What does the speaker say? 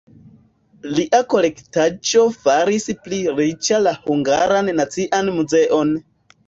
Lia kolektaĵo faris pli riĉa la Hungaran Nacian Muzeon.